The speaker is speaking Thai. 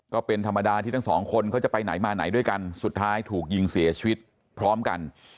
ก็เป็นธรรมดาที่ทั้งสองคนเขาจะไปไหนมาไหนด้วยกันสุดท้ายถูกยิงเสียชีวิตพร้อมกัน